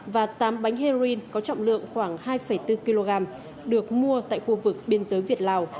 và tám bánh heroin có trọng lượng khoảng hai bốn kg được mua tại khu vực biên giới việt lào